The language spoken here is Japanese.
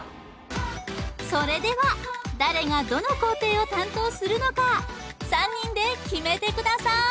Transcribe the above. それでは誰がどの工程を担当するのか３人で決めてくださーい！